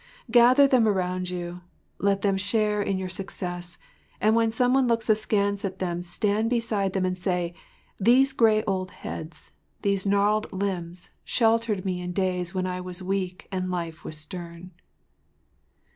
Gather them around you, let them share in your success, and when some one looks askance at them stand beside them and say: “These gray old heads, these gnarled limbs, sheltered me in days when I was weak and life was stern.